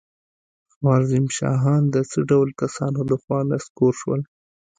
خوارزم شاهان د څه ډول کسانو له خوا نسکور شول؟